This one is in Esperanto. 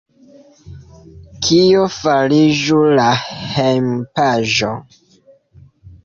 Kio fariĝu la hejmpaĝo?